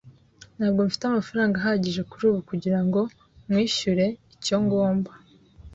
Ntabwo mfite amafaranga ahagije kuri ubu kugirango nkwishyure icyo ngomba.